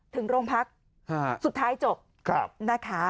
ถึงโรงพักสุดท้ายจบนะคะ